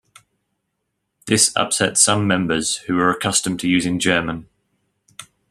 This upset some members who were accustomed to using German.